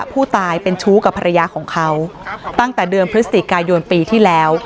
ผู้ตายเป็นชู้กับภรรยาของเขาตั้งแต่เดือนพฤศจิกายนปีที่แล้ว